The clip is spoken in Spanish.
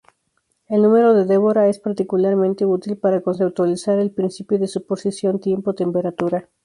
El número de Deborah es particularmente útil para conceptualizar el principio de superposición tiempo-temperatura.